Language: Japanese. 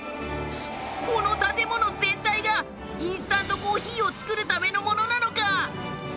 この建物全体がインスタントコーヒーを作るためのものなのか。